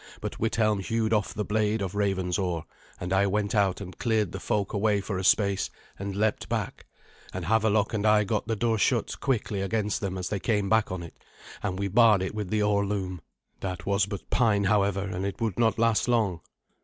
But Withelm hewed off the blade of Raven's oar, and I went out and cleared the folk away for a space, and leapt back; and Havelok and I got the door shut quickly against them as they came back on it, and we barred it with the oar loom. That was but pine, however, and it would not last long.